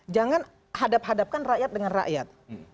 jangan hadap hadapkan rakyat dengan rakyat